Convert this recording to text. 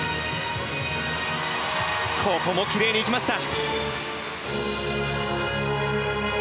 ここもきれいにいきました！